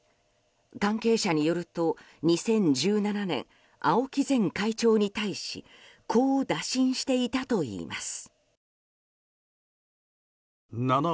関係者によると、２０１７年青木前会長に対しこう打診していたといいます。